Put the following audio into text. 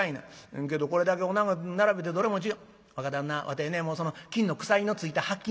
「けどこれだけおなご並べてどれも違う若旦那わてねもうその金の鎖の付いた白金の時計